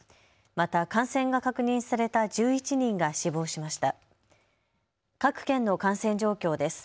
また感染が確認された１１人が死亡しました。